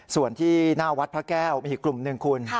ส่วนที่หน้าวัดพระแก้วมีอีกกลุ่มหนึ่งคุณ